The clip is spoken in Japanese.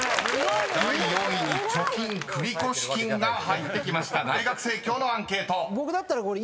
［第４位に「貯金・繰越金」が入ってきました大学生協のアンケート］